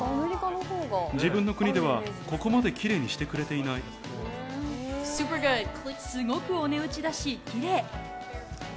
自分の国ではここまできれいすごくお値打ちだし、きれい。